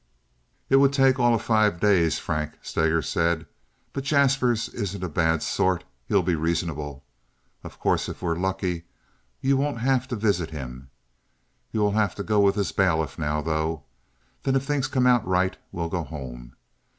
"It would take all of five days, Frank," Steger said, "but Jaspers isn't a bad sort. He'd be reasonable. Of course if we're lucky you won't have to visit him. You will have to go with this bailiff now, though. Then if things come out right we'll go home.